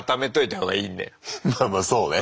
まあまあそうね。